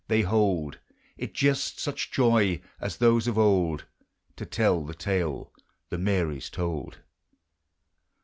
They hold It just such joy as those of old. To tell the tale the Marys told.